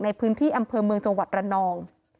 ในพื้นที่อำเภอเมืองจังหวัดระนอง